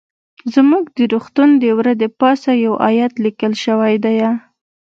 زموږ د روغتون د وره د پاسه يو ايت ليکل شوى ديه.